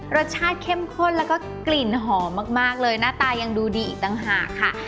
รสชาติเข้มข้นแล้วก็กลิ่นหอมมากเลยหน้าตายังดูดีอีกต่างหากค่ะ